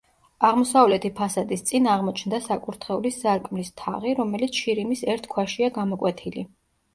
აღმოსავლეთი ფასადის წინ აღმოჩნდა საკურთხევლის სარკმლის თაღი, რომელიც შირიმის ერთ ქვაშია გამოკვეთილი.